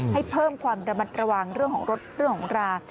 ให้เพิ่มความระมัดระวังเรื่องของรถเรื่องของรา